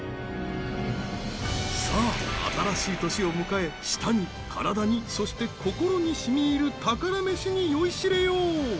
さあ、新しい年を迎え舌に体に、そして心にしみいる宝メシに酔いしれよう！